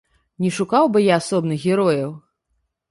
Не шукаў бы я асобных герояў.